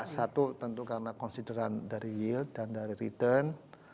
satu tentu karena konsideran dari yield dan dari return